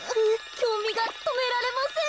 きょうみがとめられません。